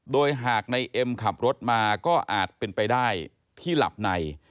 โดยหากในเอ็มขับรถมาก็อาจเป็นไปได้ที่หลับใน